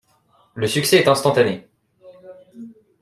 Le succès est instantané.